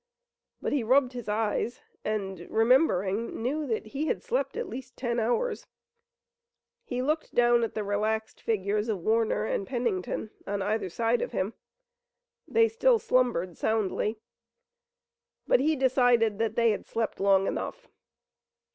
But he rubbed his eyes and, remembering, knew that he had slept at least ten hours. He looked down at the relaxed figures of Warner and Pennington on either side of him. They still slumbered soundly, but he decided that they had slept long enough.